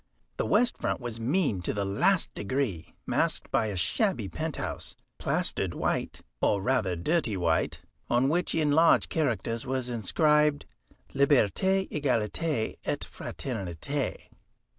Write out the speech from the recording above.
The west front was mean to the last degree, masked by a shabby penthouse, plastered white, or rather dirty white, on which in large characters was inscribed, "Liberté égalité et fraternité."